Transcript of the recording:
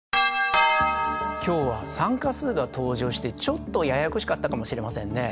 今日は酸化数が登場してちょっとややこしかったかもしれませんね。